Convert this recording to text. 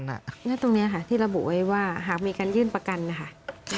และตรงนี้ค่ะที่ระบุไว้ว่าหากมีการยื่นประกันนะคะ